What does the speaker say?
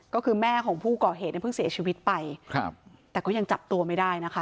ก็คือแม่ของผู้ก่อเหตุเนี่ยเพิ่งเสียชีวิตไปครับแต่ก็ยังจับตัวไม่ได้นะคะ